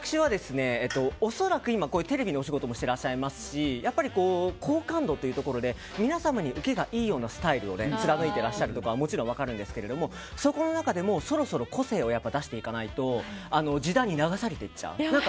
恐らく今、テレビのお仕事もしてらっしゃいますしやっぱり、好感度というところで皆様に受けがいいようなスタイルを貫いていらっしゃるところはもちろんわかるんですがその中でもそろそろ個性を出していかないと時代に流されていっちゃう。